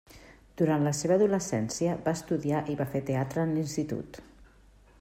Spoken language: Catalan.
Durant la seva adolescència, va estudiar i va fer teatre en l'institut.